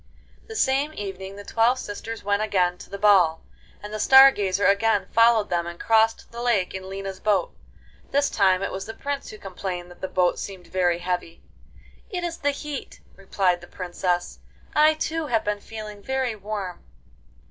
The same evening the twelve sisters went again to the ball, and the Star Gazer again followed them and crossed the lake in Lina's boat. This time it was the Prince who complained that the boat seemed very heavy. 'It is the heat,' replied the Princess. 'I, too, have been feeling very warm.